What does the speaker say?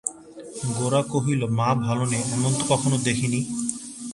গোরা কহিল, মা ভালো নেই এমন তো কখনো দেখি নি।